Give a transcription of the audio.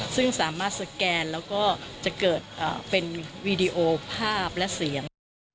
ซึ่งสามารถสแกนแล้วก็จะเกิดเป็นวีดีโอภาพและเสียง